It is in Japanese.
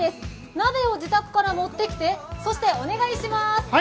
鍋を自宅から持ってきてそしてお願いしまーす。